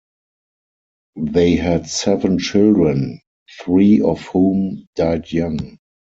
They had seven children, three of whom died young.